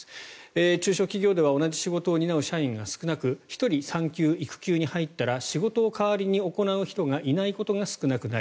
中小企業では同じ仕事を担う社員が少なく１人、産休・育休に入ったら仕事を代わりに行う人がいないことが少なくない。